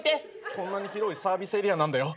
こんなに広いサービスエリアなんだよ？